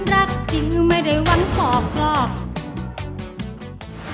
รักจริงไม่ได้ว่างพอกกล้อ